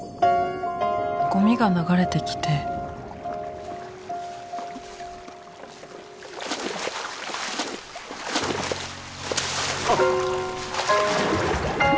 ゴミが流れてきてあっ。